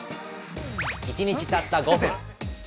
１日たった５分。